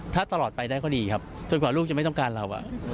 ถ้าตลอดไปได้ก็ดีครับจนกว่าลูกจะไม่ต้องการเรา